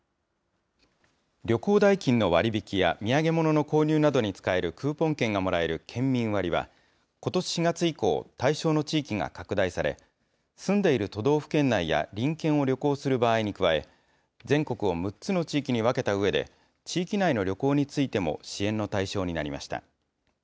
旅行代金の割引や土産物の購入などに使えるクーポン券がもらえる県民割は、ことし４月以降、対象の地域が拡大され、住んでいる都道府県内や隣県を旅行する場合に加え、全国を６つの地域に分けたうえで、地域内の旅行についても支援の対象になりました。